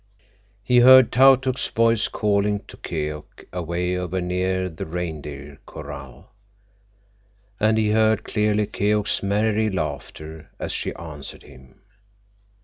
He heard Tautuk's voice, calling to Keok away over near the reindeer corral, and he heard clearly Keok's merry laughter as she answered him.